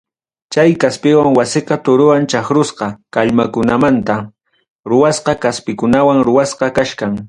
Chay kaspimanta wasiqa torowan chaqrusqa kallmakunamanta ruwasqa kaspikunawanmi ruwasqa kachkan.